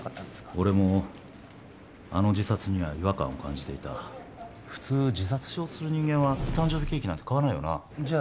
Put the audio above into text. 俺もあの自殺には違和感を感じていた普通自殺しようとする人間は誕生日ケーキなんて買わないじゃあ